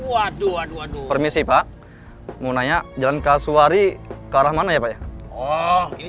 waduh waduh waduh permisi pak mau nanya jalan kasuari kearah mana ya pak ya oh ini